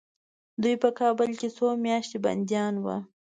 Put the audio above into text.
دوی په کابل کې څو میاشتې بندیان ول.